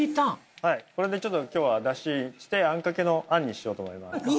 はいこれでちょっと今日はダシしてあんかけのあんにしようと思います